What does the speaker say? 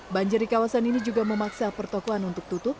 banjir di kawasan ini juga memaksa pertokohan untuk tutup